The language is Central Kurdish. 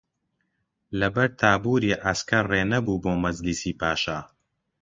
لە بەر تابووری عەسکەر ڕێ نەبوو بۆ مەجلیسی پاشا